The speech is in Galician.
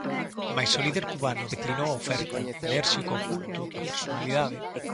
Mais o líder cubano declinou a oferta, alérxico ao culto á personalidade.